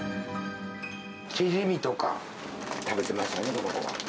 チヂミとか食べてましたよ、この子は。